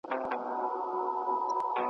ځان د بل لپاره سوځول زده کړو ,